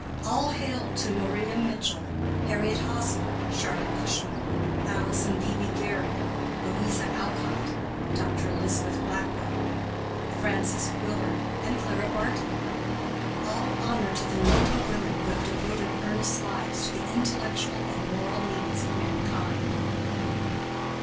All hail to Maria Mitchell, Harriet Hosmer, Charlotte Cushman, Alice and Phoebe Gary, Louisa Alcott, Dr. Elizabeth Blackwell, Frances Willard, and Clara Barton! All honor to the noble women who have devoted earnest lives to the intellectual and moral needs of mankind!